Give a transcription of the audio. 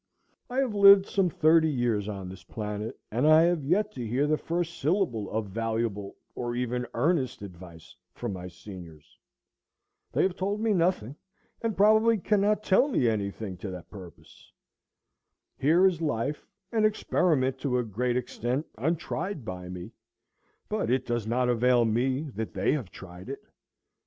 I have lived some thirty years on this planet, and I have yet to hear the first syllable of valuable or even earnest advice from my seniors. They have told me nothing, and probably cannot tell me any thing to the purpose. Here is life, an experiment to a great extent untried by me; but it does not avail me that they have tried it.